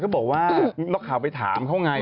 บอกว่านักข่าวไปถามเขาไง